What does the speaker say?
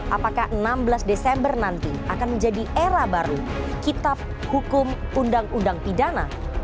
apakah enam belas desember nanti akan menjadi era baru kitab hukum undang undang pidana